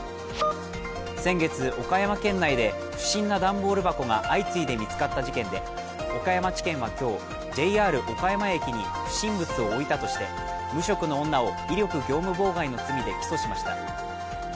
先月、岡山県内で不審な段ボール箱が相次いで見つかった事件で、岡山地検は今日、ＪＲ岡山駅に不審物を置いたとして無職の女を威力業務妨害の罪で起訴しました。